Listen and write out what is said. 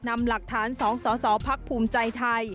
นำหลักฐาน๒สสพักภูมิใจไทย